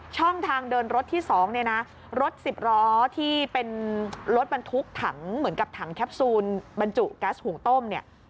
ช่องทางเดินรถที่๒เนี่ยนะรถสิบล้อที่เป็นรถบรรทุกถังเหมือนกับถังแคปซูลบรรจุแก๊สหุงต้มเนี่ย